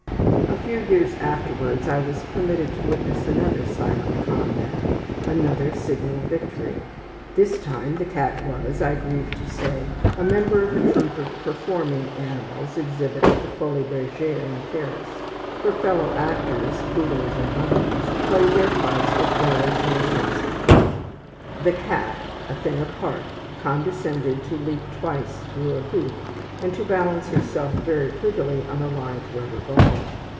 A few years afterwards I was permitted to witness another silent combat, another signal victory. This time the cat was, I grieve to say, a member of a troupe of performing animals, exhibited at the Folies Bergere in Paris. Her fellow actors, poodles and monkeys, played their parts with relish and a sense of fun. The cat, a thing apart, condescended to leap twice through a hoop, and to balance herself very prettily on a large rubber ball.